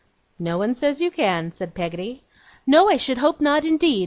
'No one says you can,' said Peggotty. 'No, I should hope not, indeed!